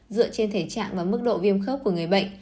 dựa trên thể trạng và mức độ viêm khớp của người bệnh